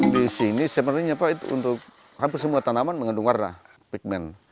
di sini sebenarnya pak itu untuk hampir semua tanaman mengandung warna pigment